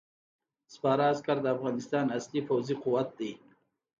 سپاره عسکر د افغانستان اصلي پوځي قوت دی.